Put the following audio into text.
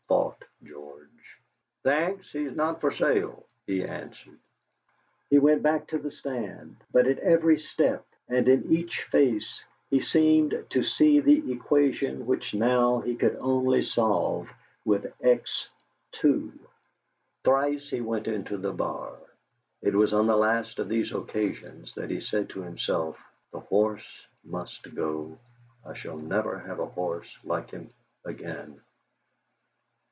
thought George. "Thanks; he's not for sale," he answered. He went back to the stand, but at every step and in each face, he seemed to see the equation which now he could only solve with X2. Thrice he went into the bar. It was on the last of these occasions that he said to himself: "The horse must go. I shall never have a horse like him again."